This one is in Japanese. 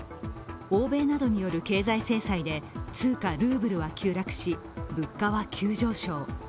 欧米などによる経済制裁で通貨ルーブルは急落し物価は急上昇。